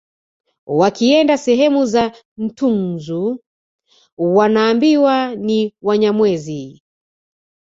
Wakienda sehemu za Ntunzu wanaambiwa ni Wanyamwezi